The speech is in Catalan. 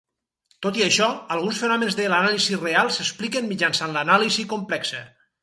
Tot i això, alguns fenòmens de l'anàlisi real s'expliquen mitjançant l'anàlisi complexa.